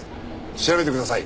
調べてください。